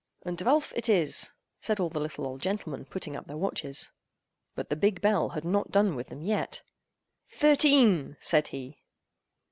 "Und dvelf it is!" said all the little old gentlemen, putting up their watches. But the big bell had not done with them yet. "Thirteen!" said he.